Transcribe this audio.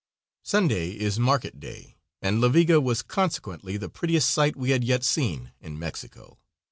Sunday is market day, and La Viga was consequently the prettiest sight we had yet seen in Mexico.